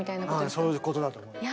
うんそういうことだと思うよ。